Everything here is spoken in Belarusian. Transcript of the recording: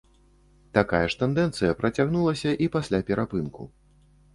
Такая ж тэндэнцыя працягнулася і пасля перапынку.